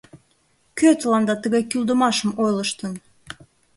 — Кӧ тыланда тыгай кӱлдымашым ойлыштын?